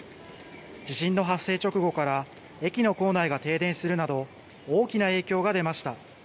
地震の発生直後から、駅の構内が停電するなど、大きな影響が出ました。